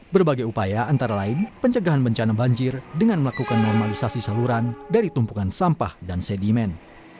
berbagai upaya antara lain pencegahan bencana banjir dengan melakukan normalisasi saluran dari tumpukan sampah dan sedimen